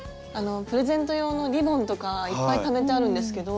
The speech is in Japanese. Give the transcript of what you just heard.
プレゼント用のリボンとかいっぱいためてあるんですけど。